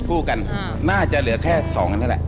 คู่กันน่าจะเหลือแค่๒อันนั่นแหละ